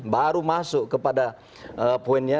baru masuk kepada poinnya